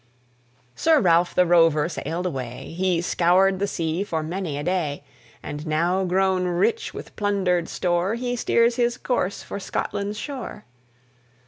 Sir Ralph the Rover sailed away; He scoured the sea for many a day; And now grown rich with plundered store, He steers his course for Scotland's shore.